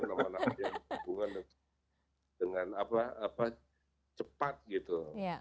nama nama yang hubungan dengan apa apa cepat gitu